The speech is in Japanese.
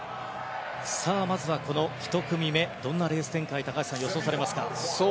まずは１組目どんなレース展開を高橋さん、予想されますか？